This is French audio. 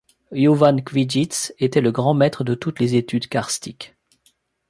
Jovan Cvijić était le grand maître de toutes les études karstiques.